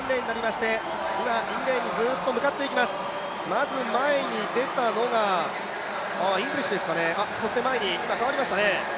まず前に出たのがイングリッシュですかね、今、変わりましたかね。